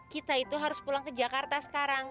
kita itu harus pulang ke jakarta sekarang